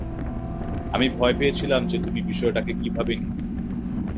আমি ভয় পেয়েছিলাম যে তুমি বিষয়টাকে কীভাবে নিবে?